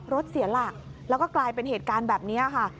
เสียหลักแล้วก็กลายเป็นเหตุการณ์แบบนี้ค่ะ